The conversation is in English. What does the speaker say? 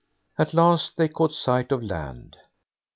At last they caught sight of land.